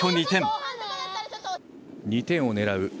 ２点を狙う